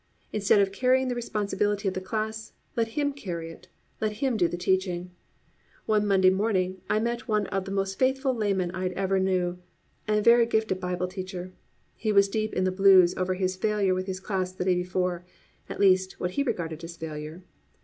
Instead of carrying the responsibility of the class, let Him carry it, let Him do the teaching. One Monday morning I met one of the most faithful laymen I ever knew and a very gifted Bible teacher. He was deep in the blues, over his failure with his class the day before—at least, what he regarded as failure.